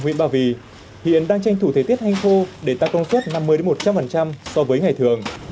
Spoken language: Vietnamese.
huyện ba vì hiện đang tranh thủ thời tiết hanh khô để tăng công suất năm mươi một trăm linh so với ngày thường